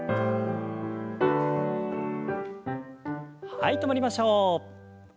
はい止まりましょう。